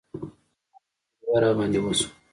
هره تجربه راباندې وشوه.